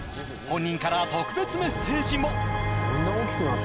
本人から特別メッセージもねえ